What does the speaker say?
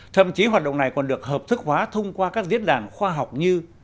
thậm chí hoạt động này còn được hợp thức hóa thông qua các diễn đàn khoa học như